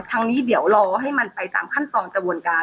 ทางนี้เดี๋ยวรอให้มันไปตามขั้นตอนกระบวนการ